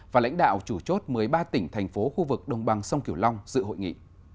và lãnh đạo chủ chốt một mươi ba tỉnh thành phố khu vực đồng bằng sông kiểu long dự hội nghị